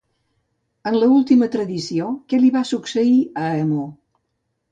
En l'última tradició, què li va succeir a Hemó?